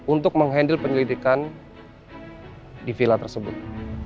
untuk mengendal penyelidikan di vila tersebut